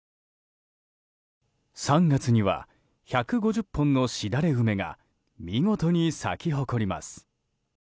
３月には、１５０本のしだれ梅が見事に咲き誇ります。